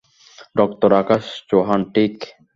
Doctor Akash Chauhan, ঠিক?